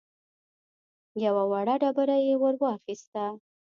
يوه وړه ډبره يې ور واخيسته.